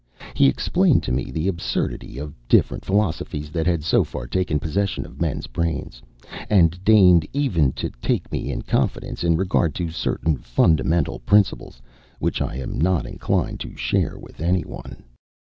He explained to me the absurdity of different philosophies that had so far taken possession of men's brains, and deigned even to take me in confidence in regard to certain fundamental principles, which I am not inclined to share with any one.